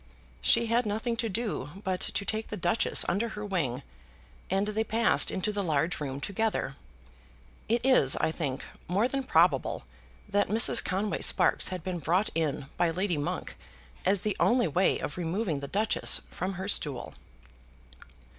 She had nothing to do but to take the Duchess under her wing, and they passed into the large room together. It is, I think, more than probable that Mrs. Conway Sparkes had been brought in by Lady Monk as the only way of removing the Duchess from her stool.